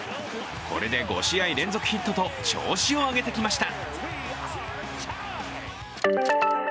これで５試合連続ヒットと調子を上げてきました。